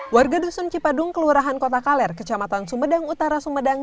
warga dusun cipadung kelurahan kota kaler kecamatan sumedang utara sumedang